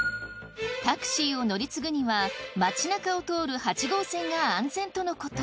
タクシーを乗り継ぐには街中を通る８号線が安全とのこと。